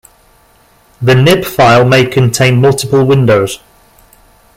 The nib file may contain multiple windows.